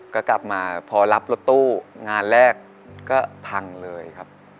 ก็กลับมาพอรับรถตู้งานแรกก็พังเลยครับ